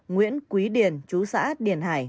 nguyễn quý điền chú xã điền hải